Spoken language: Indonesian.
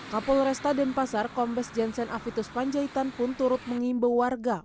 kapol restaden pasar kombes jensen afitus panjaitan pun turut mengimba warga